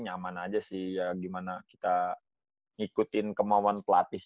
nyaman aja sih ya gimana kita ngikutin kemauan pelatih